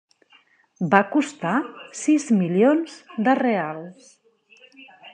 Va costar sis milions de reals.